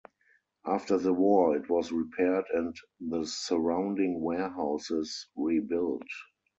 After the war, it was repaired and the surrounding warehouses rebuilt.